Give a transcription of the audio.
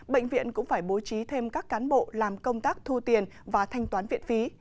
bệnh viện cũng phải bố trí thêm các cán bộ làm công tác thu tiền và thanh toán viện phí